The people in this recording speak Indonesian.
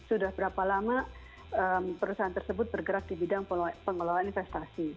sudah berapa lama perusahaan tersebut bergerak di bidang pengelolaan investasi